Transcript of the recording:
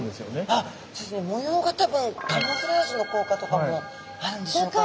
あっ模様が多分カモフラージュの効果とかもあるんでしょうか。